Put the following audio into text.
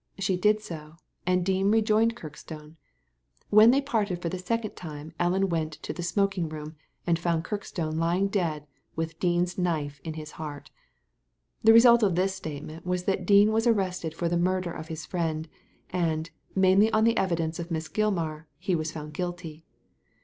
She did so, and Dean rejoined Kirk* stone. When they parted for the second time Ellen went to the smoking room, and found Kirkstone lying dead with Dean's knife in bis heart The result of this statement was that Dean was arrested for the murder of his friend, and, mainly on the evidence of Miss Gilmar, he was found guilty.